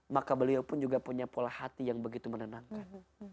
maka beliau pun juga punya pola hati yang begitu menenangkan